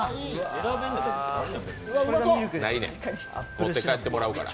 持って帰ってもらうから。